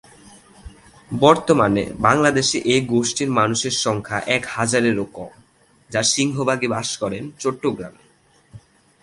বর্তমানে বাংলাদেশে এ গোষ্ঠীর মানুষের সংখ্যা এক হাজারেরও কম, যার সিংহভাগই বাস করেন চট্টগ্রামে।